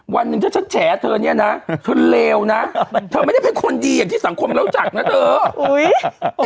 วันหนึ่งถ้าฉันแฉเธอเนี่ยนะเธอเลวนะเธอไม่ได้เป็นคนดีอย่างที่สังคมเราจัดนะเธอ